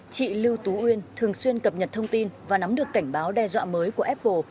chị lưu tú uyên thường xuyên cập nhật thông tin và nắm được cảnh báo đe dọa mới của apple